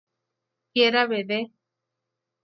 Quiera Vd.